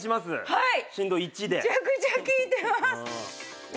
はい。